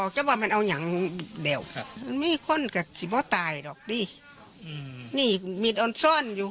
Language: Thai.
แต่มันก็มีข้นวากตายนี่มีต้อนซึโอนอยู่